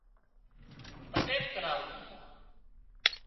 پٽيل ڪرواتو